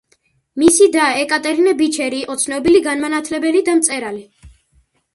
მისი და ეკატერინე ბიჩერი, იყო ცნობილი განმანათლებელი და მწერალი.